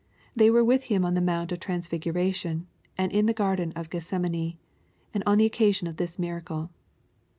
They were with him on the Mount of Transfiguration, and in the Garden of Gethsemane, and on the occasion of this miracle.